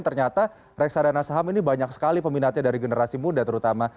ternyata reksadana saham ini banyak sekali peminatnya dari generasi muda terutama